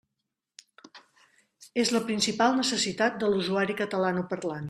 És la principal necessitat de l'usuari catalanoparlant.